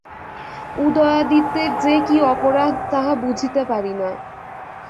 উদয়াদিত্যের যে কি অপরাধ তাহা বুঝিতে পারি না।